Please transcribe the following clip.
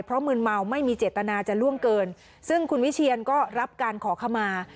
เพราะมืนเมาไม่มีเจตนาจะล่วงเกินซึ่งคุณวิเชียนก็รับการขอขมา